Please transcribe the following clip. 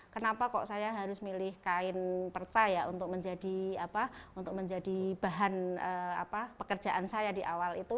kenapa kok saya harus milih kain perca ya untuk menjadi bahan pekerjaan saya di awal itu